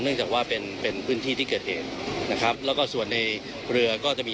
จากว่าเป็นเป็นพื้นที่ที่เกิดเหตุนะครับแล้วก็ส่วนในเรือก็จะมี